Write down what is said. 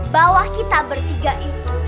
bawa kita bertiga itu